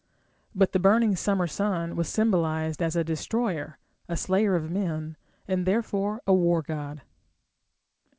But the burning summer sun was symbolized as a destroyer, a slayer of men, and therefore a war god.